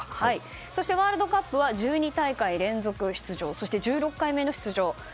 そしてワールドカップは１２大会連続出場そして１６回目の出場。